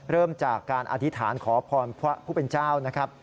เริ่มจากการอธิษฐานขอพรพระผู้เป็นเจ้านะครับ